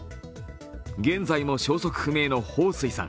現在も消息不明の彭帥さん。